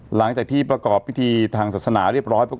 หลังจากที่ประกอบพิธีทางศาสนาเรียบร้อย